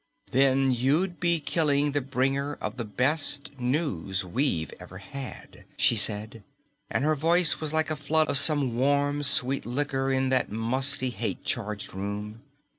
"Then you'd be killing the bringer of the best news we've ever had," she said, and her voice was like a flood of some warm sweet liquor in that musty, hate charged room.